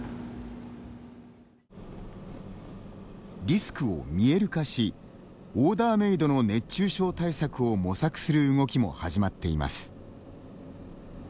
リスクを見える化しオーダーメードの熱中症対策を模索する動きも始まっています。